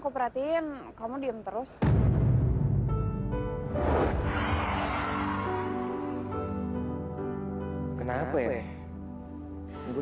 aku barusan ingin ikut katruks binomi gini